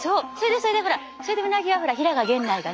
それでほらそれでうなぎは平賀源内がね